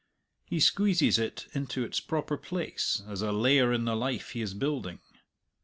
He squeezes it into its proper place as a layer in the life he is building.